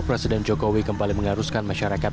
presiden jokowi kembali mengharuskan masyarakat